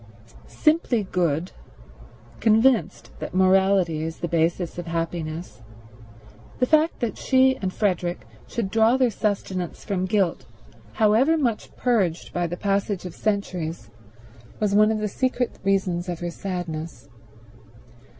Simply good, convinced that morality is the basis of happiness, the fact that she and Frederick should draw their sustenance from guilt, however much purged by the passage of centuries, was one of the secret reasons of her sadness.